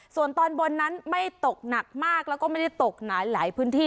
ส่วนตอนบนนั้นไม่ตกหนักมากแล้วก็ไม่ได้ตกหนานหลายพื้นที่